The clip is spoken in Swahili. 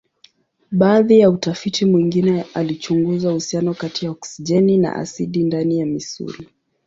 Baadhi ya utafiti mwingine alichunguza uhusiano kati ya oksijeni na asidi ndani ya misuli.